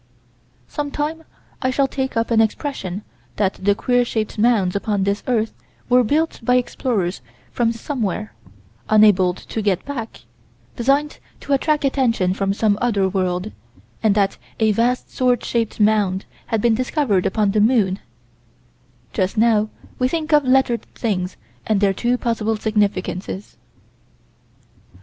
Some time I shall take up an expression that the queer shaped mounds upon this earth were built by explorers from Somewhere, unable to get back, designed to attract attention from some other world, and that a vast sword shaped mound has been discovered upon the moon Just now we think of lettered things and their two possible significances.